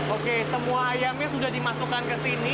oke semua ayamnya sudah dimasukkan ke sini